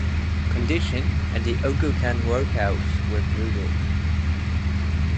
Conditions at the Occoquan workhouse were brutal.